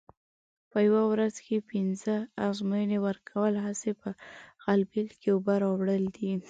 په یوه ورځ کې پینځه ازموینې ورکول هسې په غلبېل کې اوبه راوړل دي.